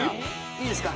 いいですか？